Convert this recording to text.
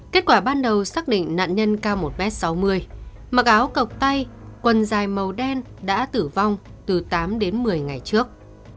kết quả ban đầu xác định nạn nhân cao một m sáu mươi mặc áo cọc tay quần dài màu đen đã tử vong từ tám đến một mươi ngày trước